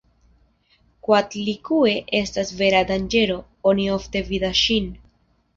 Koatlikue estas vera danĝero, oni ofte vidas ŝin.